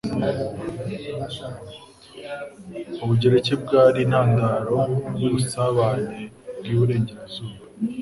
Ubugereki bwari intandaro yubusabane bwiburengerazuba.